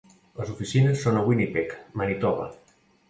Les oficines són a Winnipeg, Manitoba.